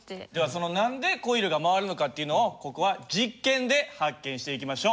その何でコイルが回るのかっていうのをここは実験で発見していきましょう。